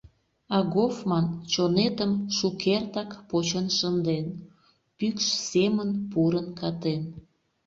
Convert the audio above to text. А Гофман чонетым шукертак почын шынден, пӱкш семын пурын катен.